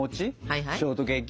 ショートケーキ？